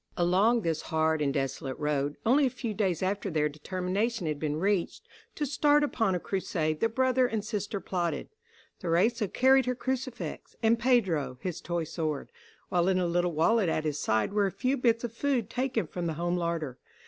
Along this hard and desolate road, only a few days after their determination had been reached, to start upon a crusade the brother and sister plodded. Theresa carried her crucifix, and Pedro his toy sword, while in a little wallet at his side were a few bits of food taken from the home larder.